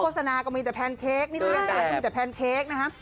โฆษณาก็มีแต่แพนเค้กนิดนึงก็มีแต่แพนเค้กนะฮะ